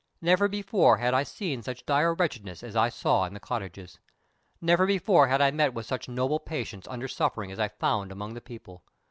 Never before had I seen such dire wretchedness as I saw in the cottages. Never before had I met with such noble patience under suffering as I found among the people.